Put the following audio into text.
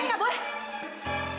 ini gak boleh